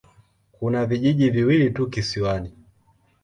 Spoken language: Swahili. Kuna vijiji viwili tu kisiwani.